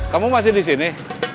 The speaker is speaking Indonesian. kamu masih di sini